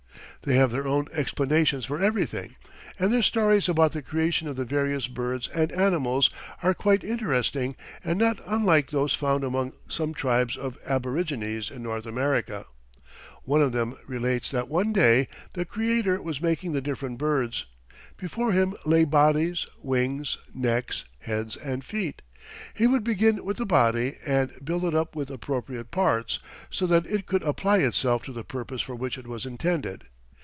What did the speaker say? They have their own explanations for everything, and their stories about the creation of the various birds and animals are quite interesting and not unlike those found among some tribes of aborigines in North America. One of them relates that one day the Creator was making the different birds. Before him lay bodies, wings, necks, heads and feet. He would begin with the body and build it up with appropriate parts, so that it could apply itself to the purpose for which it was intended.